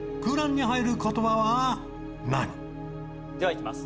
ではいきます。